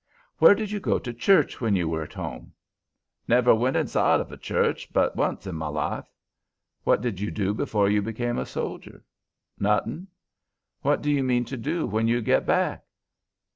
] "Where did you go to church when you were at home?" "Never went inside 'f a church b't once in m' life." "What did you do before you became a soldier?" "Nothin'." "What do you mean to do when you get back?"